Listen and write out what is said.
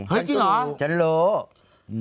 เฮ้ยจริงหรอฉันรู้